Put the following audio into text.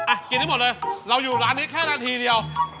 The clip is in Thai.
กินให้หมดเลยเราอยู่ร้านนี้แค่นาทีเดียว